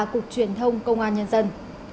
cục truyền thông công an nhân dân